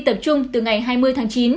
tập trung từ ngày hai mươi tháng chín